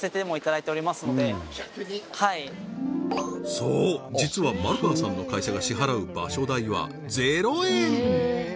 そう実は丸川さんの会社が支払う場所代は０円！